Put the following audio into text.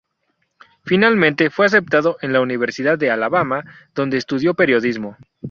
Finalmente fue aceptado en la Universidad de Alabama, donde estudió periodismo.